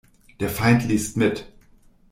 Der Feind liest mit.